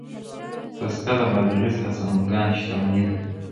پسته د بادغیس او سمنګان شتمني ده.